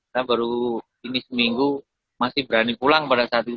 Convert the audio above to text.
saya baru ini seminggu masih berani pulang pada saat itu